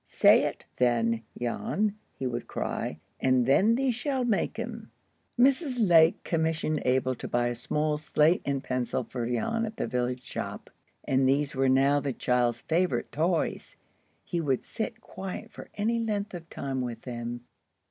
"Say it then, Jan," he would cry, "and then thee shall make 'em." Mrs. Lake commissioned Abel to buy a small slate and pencil for Jan at the village shop, and these were now the child's favorite toys. He would sit quiet for any length of time with them.